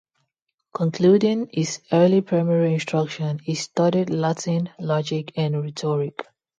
Concluding his early primary instruction, he studied latin, logic and rhetoric.